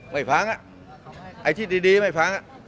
ไม่ฟังอ่ะไอ้ที่ดีไม่ฟังอ่ะ